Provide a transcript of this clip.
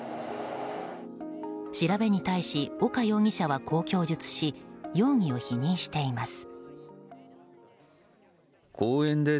調べに対し岡容疑者はこう供述し容疑を否認しています。